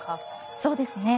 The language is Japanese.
そうですね。